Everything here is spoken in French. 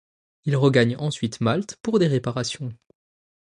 Il regagne ensuite Malte pour des réparations.